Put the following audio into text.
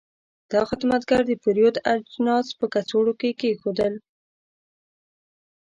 دا خدمتګر د پیرود اجناس په کڅوړو کې کېښودل.